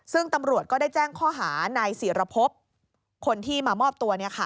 ซึ่งตำรวจก็ได้แจ้งข้อหานายศิรพบคนที่มามอบตัว